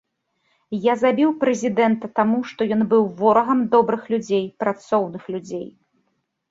Я забіў прэзідэнта, таму што ён быў ворагам добрых людзей, працоўных людзей.